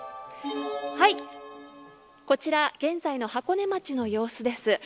こちら現在の箱根町の様子です。